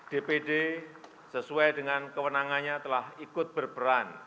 dpd sesuai dengan kewenangannya telah ikut berperan